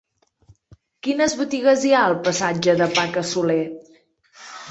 Quines botigues hi ha al passatge de Paca Soler?